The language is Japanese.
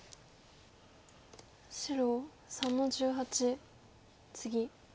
白３の十八ツギ。